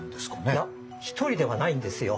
いや１人ではないんですよ。